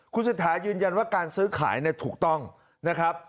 คุณเศรษฐายืนยันว่าการซื้อขายเนี่ยถูกต้องนะครับ